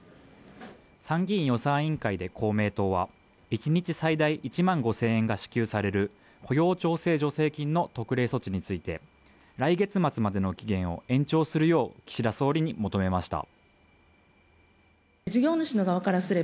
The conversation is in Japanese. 参議院予算委員会で公明党は１日最大１万５０００円が支給される雇用調整助成金の特例措置について来月末までの期限を延長するよう岸田総理に求めました